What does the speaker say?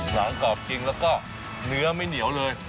หนังกรอบจริงแล้วก็เนื้อไม่เหนียวเลย